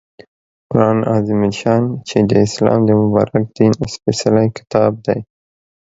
قرآن عظیم الشان چې د اسلام د مبارک دین سپیڅلی کتاب دی